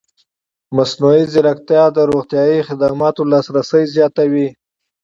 مصنوعي ځیرکتیا د روغتیايي خدماتو لاسرسی زیاتوي.